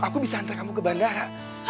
aku bisa antara kamu ke bandara